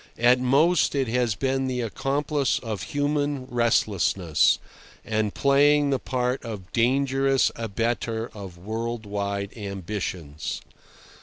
At most it has been the accomplice of human restlessness, and playing the part of dangerous abettor of world wide ambitions.